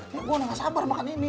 ya gua udah ga sabar makan ini